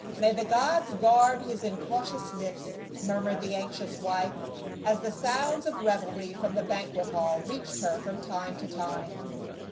" May the gods guard his incautious lips," mur mured the anxious wife, as the sounds of revelry from the banquet hall reached her from time to time.